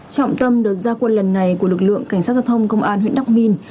trọng tâm được gia quân lần này của lực lượng cảnh sát giao thông công an huyện đắk minh